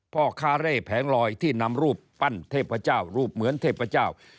พ่อคาเร่แผงลอยที่นำรูปปั้นเทพเจ้ารูปเหมือนเทพเจ้า